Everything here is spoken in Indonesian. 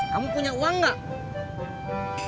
kamu punya uang gak